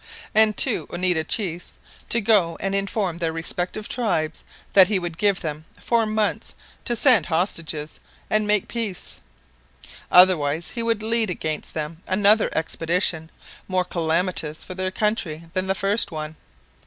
] and two Oneida chiefs, to go and inform their respective tribes that he would give them four months to send hostages and make peace; otherwise he would lead against them another expedition more calamitous for their country than the first one.